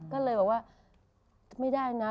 ก็เลยบอกว่าไม่ได้นะ